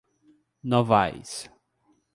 Novais